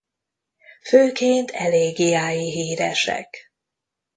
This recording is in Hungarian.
Főként elégiái híresek.